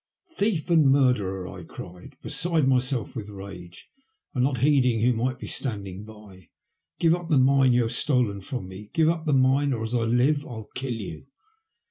" Thief and murderer," I cried, beside myself with rage and not heeding who might be standing by. ''Give up the mine you have stolen from me. Give up the mine, or, as I live, I'll kill you."